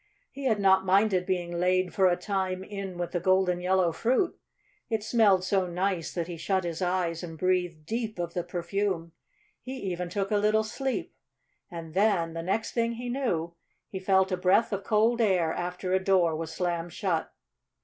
He had not minded being laid for a time in with the golden, yellow fruit. It smelled so nice that he shut his eyes and breathed deep of the perfume. He even took a little sleep. And then, the next thing he knew, he felt a breath of cold air after a door was slammed shut.